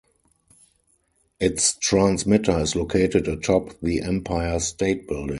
Its transmitter is located atop the Empire State Building.